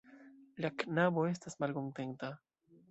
La knabo estas malkontenta.